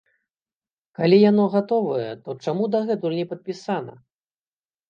Калі яно гатовае, то чаму дагэтуль не падпісана?